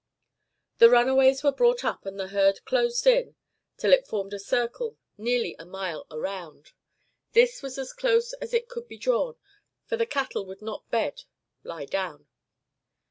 The runaways were brought up and the herd closed in till it formed a circle nearly a mile around. This was as close as it could be drawn, for the cattle would not bed lie down.